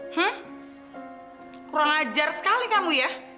hmm kurang ajar sekali kamu ya